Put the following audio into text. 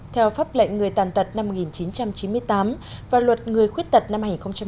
theo pháp lệnh người tàn tật năm một nghìn chín trăm chín mươi tám và luật người khuyết tật năm hai nghìn một mươi bốn